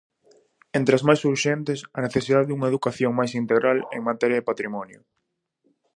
Entre as máis urxentes, a necesidade dunha educación máis integral en materia de patrimonio.